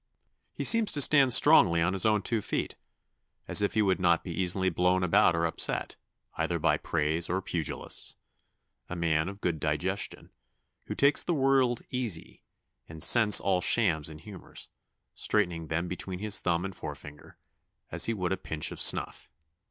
He seems to stand strongly on his own feet, as if he would not be easily blown about or upset, either by praise or pugilists; a man of good digestion, who takes the world easy, and scents all shams and humours (straightening them between his thumb and forefinger) as he would a pinch of snuff."